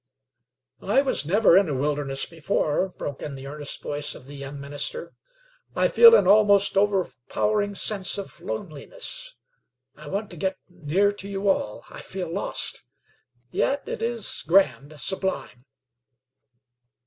"I was never in a wilderness before," broke in the earnest voice of the young minister. "I feel an almost overpowering sense of loneliness. I want to get near to you all; I feel lost. Yet it is grand, sublime!"